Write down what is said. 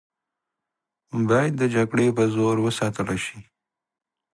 باید د جګړې په زور وساتله شي.